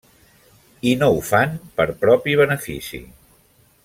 I no ho fan per propi benefici.